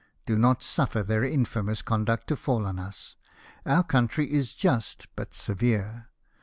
Do not suffer their infamous conduct to fall on us. Our country is just, but severe.